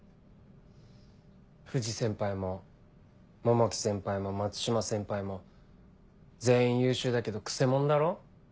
藤先輩も桃木先輩も松島先輩も全員優秀だけどくせ者だろ。